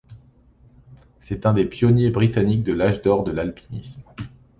C'est un des pionniers britanniques de l'âge d'or de l'alpinisme.